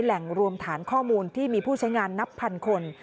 แหล่งรวมฐานข้อมูลที่มีผู้ใช้งานนับพันคน